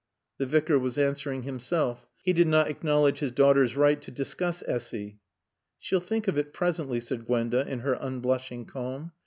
The Vicar was answering himself. He did not acknowledge his daughter's right to discuss Essy. "She'll think of it presently," said Gwenda in her unblushing calm.